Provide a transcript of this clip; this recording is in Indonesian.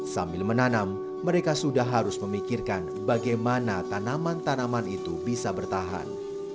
sambil menanam mereka sudah harus memikirkan bagaimana tanaman tanaman itu bisa bertahan